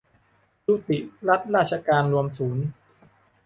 ยุติรัฐราชการรวมศูนย์